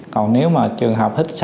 còn nếu mà trường hợp hít sặc vô